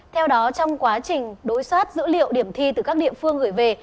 theo đó trong quá trình đối soát dữ liệu điểm thi từ các địa phương gửi về